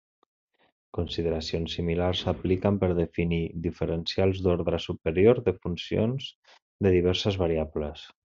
Consideracions similars s'apliquen per definir diferencials d'ordre superior de funcions de diverses variables.